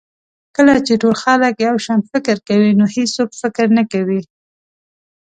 کله چې ټول خلک یو شان فکر کوي نو هېڅوک فکر نه کوي.